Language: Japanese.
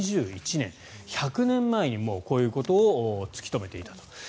１００年前にもうこういうことを突き止めていたと。